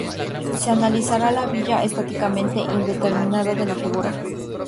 Se analizará la viga estáticamente indeterminada de la figura.